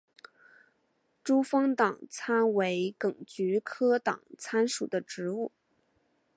珠峰党参为桔梗科党参属的植物。